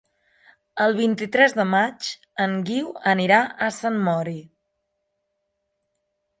El vint-i-tres de maig en Guiu anirà a Sant Mori.